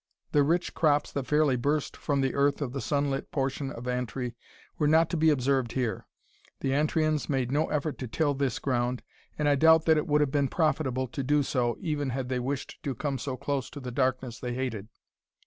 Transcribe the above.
The rich crops that fairly burst from the earth of the sunlit portion of Antri were not to be observed here. The Antrians made no effort to till this ground, and I doubt that it would have been profitable to do so, even had they wished to come so close to the darkness they hated.